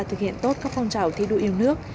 thực hiện tốt các phong trào thi đua yêu nước